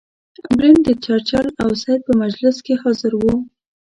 بلنټ د چرچل او سید په مجلس کې حاضر وو.